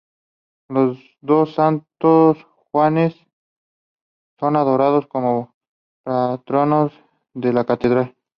Los dos santos Juanes son adorados como patronos de la catedral.